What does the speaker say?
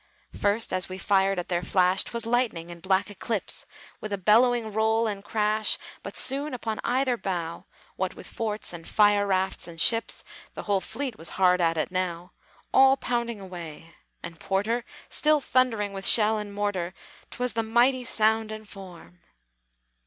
First, as we fired at their flash, 'Twas lightning and black eclipse, With a bellowing roll and crash. But soon, upon either bow, What with forts and fire rafts and ships (The whole fleet was hard at it now), All pounding away! and Porter Still thundering with shell and mortar, 'T was the mighty sound and form!